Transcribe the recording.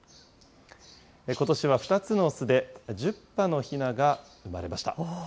ことしは２つの巣で１０羽のひなが生まれました。